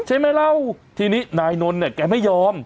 ใช่ไหมเล่าทีนี้นายนนท์เนี่ยแกไม่ยอม